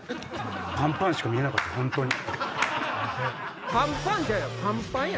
「パンパン」しか見えなかった本当に。